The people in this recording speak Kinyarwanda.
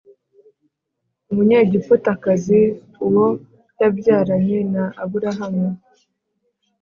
umunyegiputakazi uwo yabyaranye na aburahamu